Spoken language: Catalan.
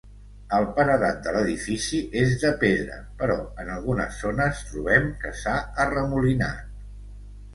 El paredat de l'edifici és de pedra, però en algunes zones trobem que s'ha arremolinat.